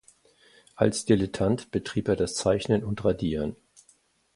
Als Dilettant betrieb er das Zeichnen und Radieren.